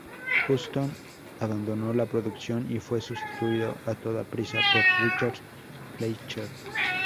Huston abandonó la producción y fue sustituido a toda prisa por Richard Fleischer.